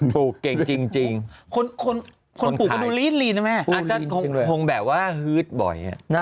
ปลูกเก่งจริงคนปลูกก็ดูลีดลีนนะแม่อาจจะคงแบบว่าฮืดบ่อย